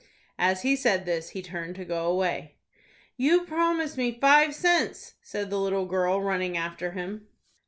As he said this he turned to go away. "You promised me five cents," said the little girl, running after him.